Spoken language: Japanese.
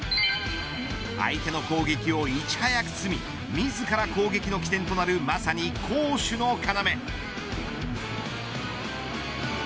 相手の攻撃をいち早く摘み自ら攻撃の起点となる、まさに攻守の要。